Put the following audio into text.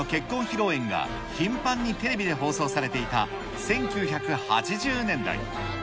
披露宴が頻繁にテレビで放送されていた１９８０年代。